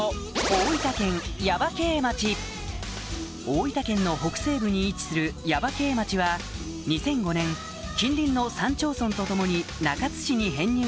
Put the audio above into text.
大分県の北西部に位置する耶馬溪町は２００５年近隣の３町村と共に中津市に編入